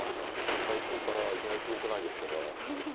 もう最初からいきなり「すごくないですか」が出てしまいましたね。